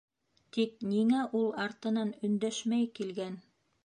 Тик ниңә ул артынан өндәшмәй килгән?